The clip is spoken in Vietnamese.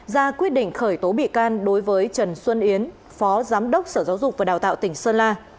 ra quyết định khởi tố bị can đối với trần xuân yến phó giám đốc sở giáo dục và đào tạo tỉnh sơn la